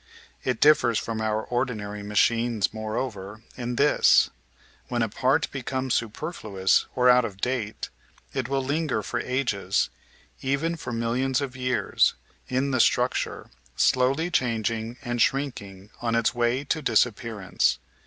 It diflfers from our ordinary machines, moreover, in this: when a part becomes superfluous or out of date, it will linger for ages, even for millions of years, in the structure, slowly changing and shrinking on its way to disappearance.